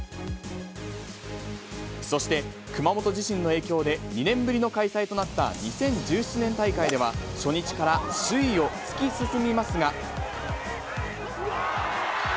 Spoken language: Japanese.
そして熊本地震の影響で、２年ぶりの開催となった２０１７年大会では、初日から首位を突き進みますが。